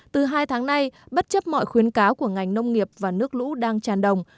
từ hai tháng nay bất chấp mọi khuyến cáo của ngành nông nghiệp và nước lũ đang tràn đồng